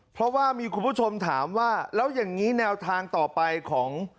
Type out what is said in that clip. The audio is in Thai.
เพราะว่ามีคุณผู้ชมถามว่าแล้วอย่างนี้แนวทางต่อไปของ